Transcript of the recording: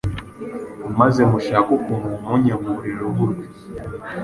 maze mushake ukuntu mumunyamburira uruhu rwe